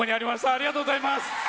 ありがとうございます！